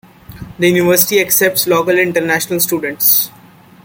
The University accepts local and international students.